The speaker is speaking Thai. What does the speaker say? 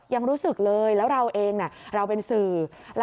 ยังรู้สึกเลยแล้วเราเองเราเป็นสื่อ